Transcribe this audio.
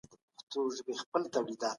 موږ ټول په یوې خونې کي بېدېدلو.